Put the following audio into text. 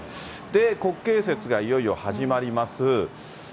国慶節がいよいよ始まります。